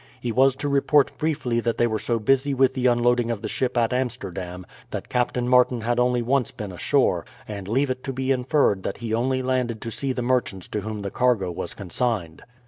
He was to report briefly that they were so busy with the unloading of the ship at Amsterdam that Captain Martin had only once been ashore, and leave it to be inferred that he only landed to see the merchants to whom the cargo was consigned.